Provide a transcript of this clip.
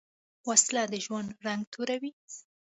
وسله د ژوند رنګ توروې